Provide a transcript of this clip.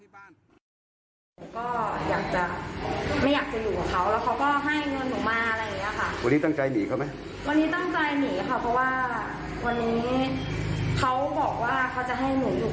มาหาเขาบ่อยไม่ครับพูดถึงมาหาเขาบ่อยนานมากค่ะ